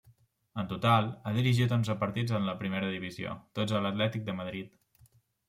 En total, ha dirigit onze partits en la primera divisió, tots a l'Atlètic de Madrid.